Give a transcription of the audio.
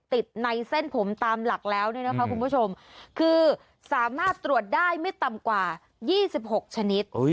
ติดในเส้นผมตามหลักแล้วเนี่ยนะคะคุณผู้ชมคือสามารถตรวจได้ไม่ต่ำกว่า๒๖ชนิด